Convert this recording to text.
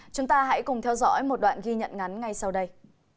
chúng ta hãy cùng theo dõi một đoạn ghi nhận ngắn ngay sau đây